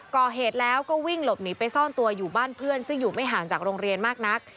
ก่อเหตุแล้วก็วิ่งหลบหนีไปซ่อนตัวอยู่บ้านเพื่อนซึ่งอยู่ไม่ห่างจากโรงเรียนมากนัก